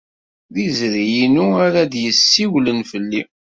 D izri-inu ara d-yessiwlen fell-i.